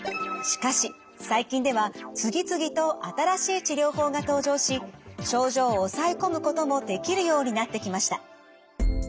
しかし最近では次々と新しい治療法が登場し症状を抑え込むこともできるようになってきました。